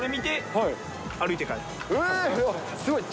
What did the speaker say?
はい。